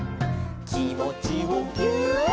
「きもちをぎゅーっ」